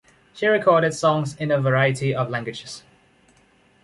She recorded songs in a variety of languages.